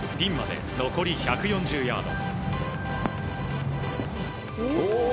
ピンまで残り１４０ヤード。